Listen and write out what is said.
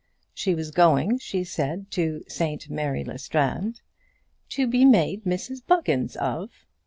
She was going, she said, to St Mary le Strand, "to be made Mrs Buggins of."